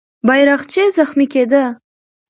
بیرغچی زخمي کېده.